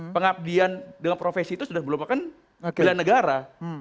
pengabdian dengan profesi itu sudah merupakan bela negara